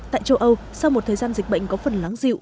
tại châu âu sau một thời gian dịch bệnh có phần láng dịu